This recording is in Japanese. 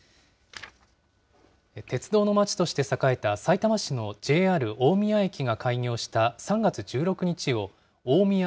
鉄道のまちとして栄えた、さいたま市のＪＲ大宮駅が開業した３月１６日を、おおみや